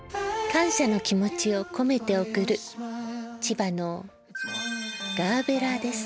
感謝の気持ちを込めて贈る千葉のガーベラです。